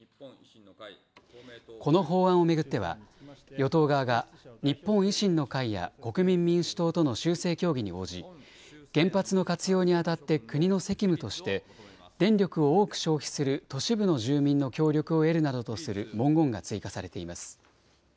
この法案を巡っては与党側が日本維新の会や国民民主党との修正協議に応じ原発の活用にあたって国の責務として電力を多く消費する都市部の住民の協力を得るなどとする文言が追加されています。